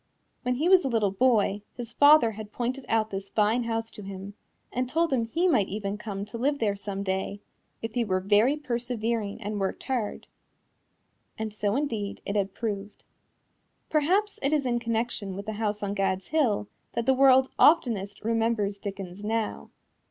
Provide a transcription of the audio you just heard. When he was a little boy his father had pointed out this fine house to him, and told him he might even come to live there some day, if he were very persevering and worked hard. And so, indeed, it had proved. Perhaps it is in connection with this house on Gad's Hill that the world oftenest remembers Dickens now.